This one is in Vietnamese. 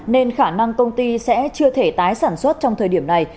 nên khả năng công ty sẽ chưa thể tái sản xuất trong thời điểm này